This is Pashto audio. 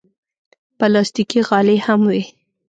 پلاستيکي غالۍ هم وي.